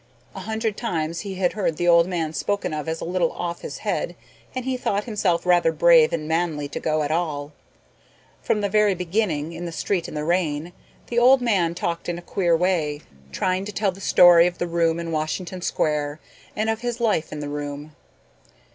A hundred times he had heard the old man spoken of as a little off his head and he thought himself rather brave and manly to go at all. From the very beginning, in the street in the rain, the old man talked in a queer way, trying to tell the story of the room in Washington Square and of his life in the room.